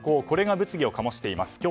これが物議を醸しています。